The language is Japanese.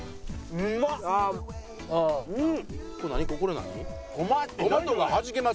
うん。